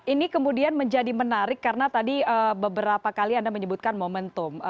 ini kemudian menjadi menarik karena tadi beberapa kali anda menyebutkan momentum